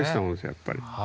やっぱり。